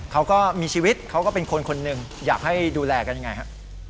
เขาก็มีชีวิตเขาก็เป็นคนคนหนึ่งอยากให้ดูแลกันยังไงฮะ